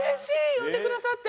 呼んでくださって。